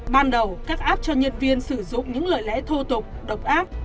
ban đầu các app cho nhân viên sử dụng những lời lẽ thô tục độc ác